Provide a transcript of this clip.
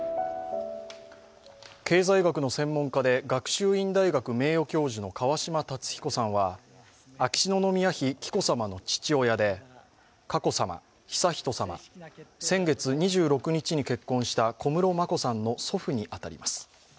経済学の専門家で学習院大学名誉教授の川嶋辰彦さんは、秋篠宮妃・紀子さまの父親で佳子さま、悠仁さま、先月２６日に結婚した小室眞子さんの祖父に当たります。